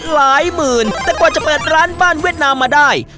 หลายหมื่นแต่กว่าจะเปิดร้านบ้านเวียดนามมาได้